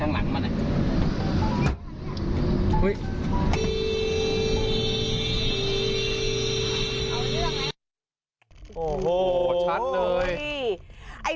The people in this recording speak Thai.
โหชัดเลย